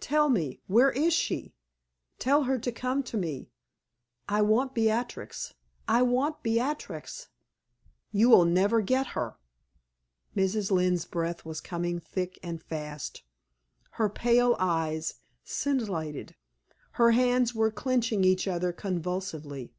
Tell me where is she? Tell her to come to me. I want Beatrix I want Beatrix!" "You will never get her!" Mrs. Lynne's breath was coming thick and fast; her pale eyes scintillated; her hands were clinching each other convulsively.